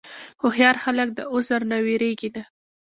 هوښیار خلک د عذر نه وېرېږي نه.